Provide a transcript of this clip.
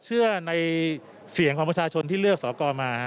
เชื่อในเสี่ยงความประชาชนที่เลือกทราบทรัพย์ก่อนมา